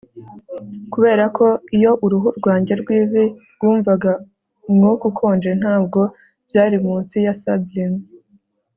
kuberako iyo uruhu rwanjye rwivi rwumvaga umwuka ukonje, ntabwo byari munsi ya sublime